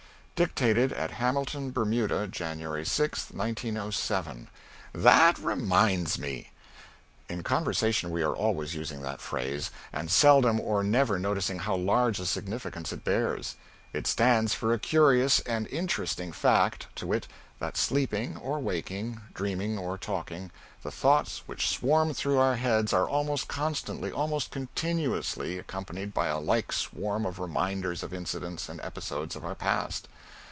[Dictated at Hamilton, Bermuda, January 6, 1907.] "That reminds me." In conversation we are always using that phrase, and seldom or never noticing how large a significance it bears. It stands for a curious and interesting fact, to wit: that sleeping or waking, dreaming or talking, the thoughts which swarm through our heads are almost constantly, almost continuously, accompanied by a like swarm of reminders of incidents and episodes of our past.